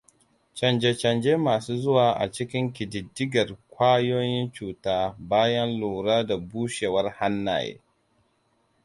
Canje-canje masu zuwa a cikin ƙididdigar ƙwayoyin cuta bayan lura da bushewar hannaye: